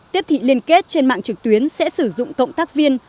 tiếp thị liên kết trên mạng trực tuyến sẽ sử dụng cộng tác viên